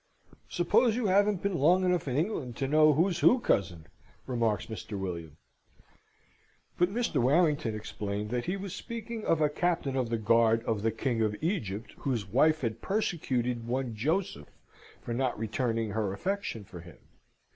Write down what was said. Suppose you haven't been long enough in England to know who's who, cousin!" remarks Mr. William. But Mr. Warrington explained that he was speaking of a Captain of the Guard of the King of Egypt, whose wife had persecuted one Joseph for not returning her affection for him.